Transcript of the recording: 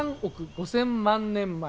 ３億５，０００万年前。